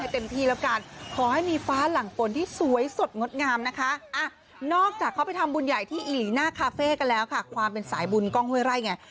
ที่อีลีน่าคาเฟ่ก็แล้วค่ะความเป็นสายบุญก้องเว้ยไล่ไง